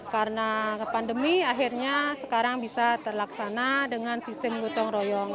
karena pandemi akhirnya sekarang bisa terlaksana dengan sistem gutong royong